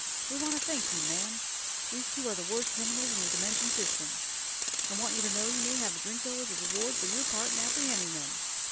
"We want to thank you, ma'am. These two are the worst criminals in the dimension system. I want you to know you may have the Drinko as a reward for your part in apprehending them.